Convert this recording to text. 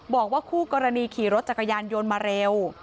บอกว่าคู่กรณีขี่รถจักรยานยนต์มาเร็ว